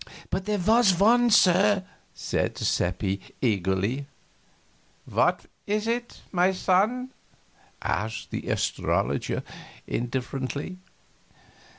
"But there was one, sir," said Seppi, eagerly. "What was it, my son?" asked the astrologer, indifferently.